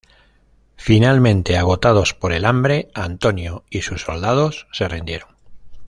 Finalmente, agotados por el hambre, Antonio y sus soldados se rindieron.